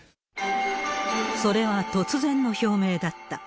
それは突然の表明だった。